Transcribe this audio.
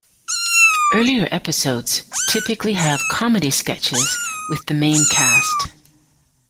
Earlier episodes typically have comedy sketches with the main cast.